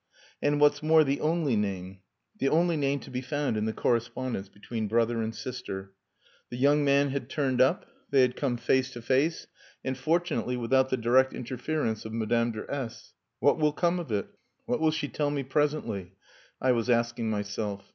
And what's more, the only name; the only name to be found in the correspondence between brother and sister. The young man had turned up; they had come face to face, and, fortunately, without the direct interference of Madame de S . What will come of it? what will she tell me presently? I was asking myself.